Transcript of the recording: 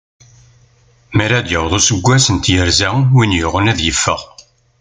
Mi ara d-yaweḍ useggas n tyerza, win yuɣen ad iffeɣ.